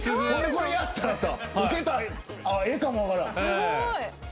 これでウケたらええかも分からん。